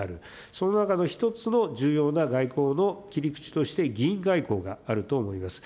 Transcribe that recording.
その中の１つの重要な外交の切り口として議員外交があると思います。